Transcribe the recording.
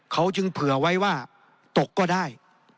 เขาจึงเผื่อไว้ว่าตกก็ได้